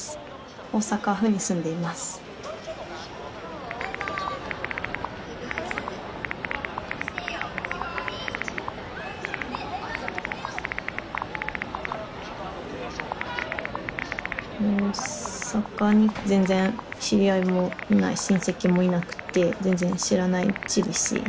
大阪に全然知り合いもいない親戚もいなくて全然知らない地ですし。